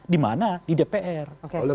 dimana di dpr